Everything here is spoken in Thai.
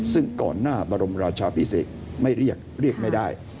ซึ่งก่อนหน้าบรมราชาพิเศษไม่เรียกเรียกไม่ได้